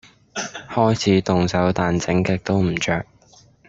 開始動手但整極都唔着